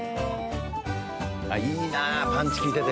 いいなあパンチきいてて。